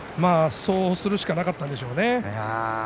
そうするしかなかったんでしょうね。